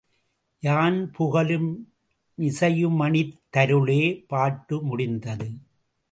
யான்புகலு மிசையுமணித் தருளே! பாட்டு முடிந்தது.